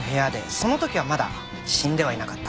その時はまだ死んではいなかった。